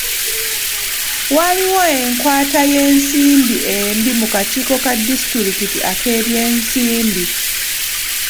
Waliwo enkwata y'ensimbi embi mu kakiiko ka disitulikiti ak'ebyensimbi.